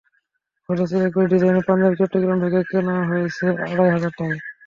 অথচ একই ডিজাইনের পাঞ্জাবি চট্টগ্রাম থেকে কেনা হয়েছে আড়াই হাজার টাকায়।